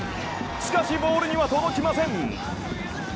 しかしボールには届きません。